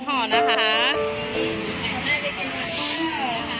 ขอพี่ด้านห้างขอให้ดีกว่านะคะ